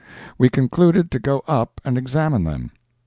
We concluded to go up and examine them.